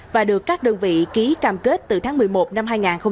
và được các đơn vị ký cam kết từ tháng một mươi một năm hai nghìn hai mươi